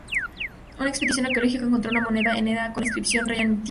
Una expedición arqueológica encontró una moneda en Enna con la inscripción "Rey Antíoco".